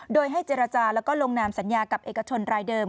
โดยให้เจรจาแล้วก็ลงนามสัญญากับเอกชนรายเดิม